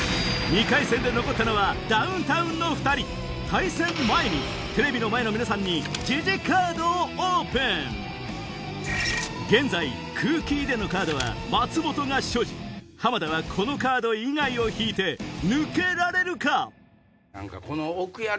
対戦前にテレビの前の皆さんにジジカードをオープン現在「空気入れ」のカードは松本が所持浜田はこのカード以外を引いて抜けられるか？